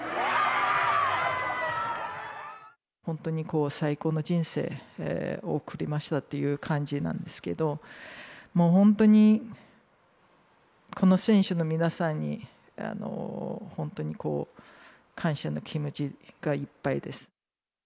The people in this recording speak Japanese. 本当にこう、最高の人生を送りましたっていう感じなんですけど、もう本当に、この選手の皆さんに、本当にこう、感謝の気持ちがいっぱいです。